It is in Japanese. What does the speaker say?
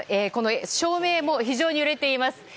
照明も非常に揺れています。